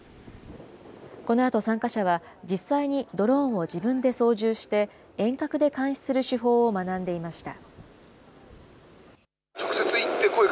このあと参加者は実際にドローンを自分で操縦して、遠隔で監視する手法を学んでいました。